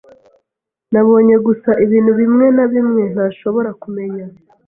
Nabonye gusa ibintu bimwe na bimwe ntashobora kumenya.